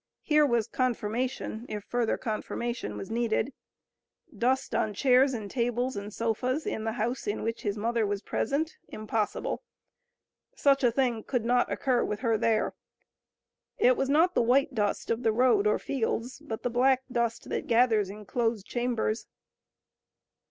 Here was confirmation, if further confirmation was needed. Dust on chairs and tables and sofas in the house in which his mother was present. Impossible! Such a thing could not occur with her there. It was not the white dust of the road or fields, but the black dust that gathers in closed chambers.